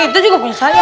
itu juga punya saya